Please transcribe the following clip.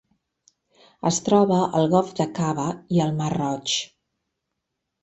Es troba al Golf d'Aqaba i el Mar Roig.